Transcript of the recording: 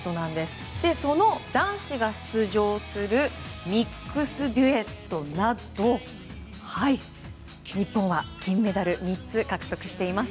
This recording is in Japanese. その男子が出場するミックスデュエットなど日本は金メダル３つ獲得しています。